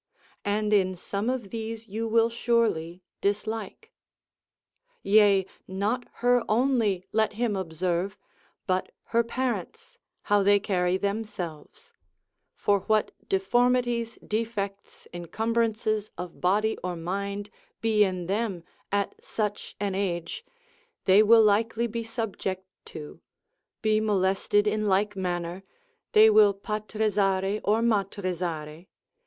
and in some of these you will surely dislike. Yea, not her only let him observe, but her parents how they carry themselves: for what deformities, defects, encumbrances of body or mind be in them at such an age, they will likely be subject to, be molested in like manner, they will patrizare or matrizare.